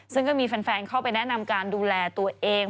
ซึ่งก็มีแฟนเข้าไปแนะนำการดูแลตัวเอง